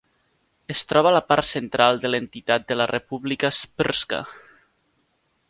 Es troba a la part central de l'entitat de la Republika Sprska.